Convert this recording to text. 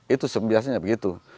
itu biasanya begitu